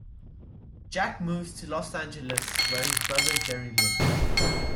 Jack moves to Los Angeles where his brother Gerry lives.